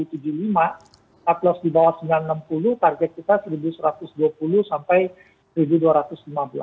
taktos di bawah rp sembilan ratus enam puluh target kita rp satu satu ratus dua puluh sampai rp satu dua ratus lima belas